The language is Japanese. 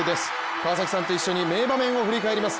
川崎さんと一緒に名場面を振り返ります。